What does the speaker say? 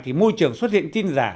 thì môi trường xuất hiện tin giả